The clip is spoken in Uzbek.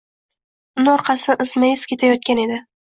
Uni orqasidan izma-iz kelayotgan edi.